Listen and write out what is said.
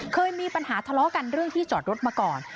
เคยมีปัญหาทะเลาะกันเรื่องที่จอดรถมาก่อน